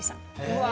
うわ！